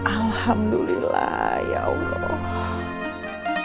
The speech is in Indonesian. alhamdulillah ya allah